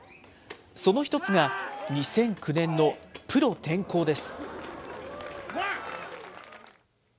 その一つが２００９年のプロ転向です。